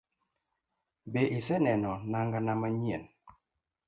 Be iseneno nanga na manyien?